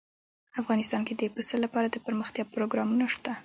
افغانستان کې د پسه لپاره دپرمختیا پروګرامونه شته.